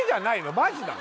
マジなの？